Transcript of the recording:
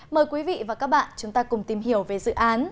mời quý vị và các bạn chúng ta cùng tìm hiểu về dự án